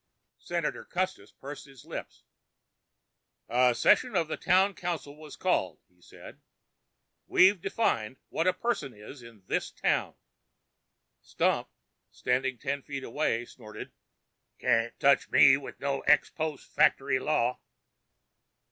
Senator Custis pursed his lips. "A session of the Town Council was called," he said. "We've defined what a person is in this town " Stump, standing ten feet away, snorted. "Can't touch me with no ex post factory law."